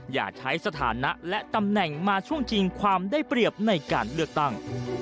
อย่าใช้สถานะและตำแหน่งมาช่วงชิงความได้เปรียบในการเลือกตั้ง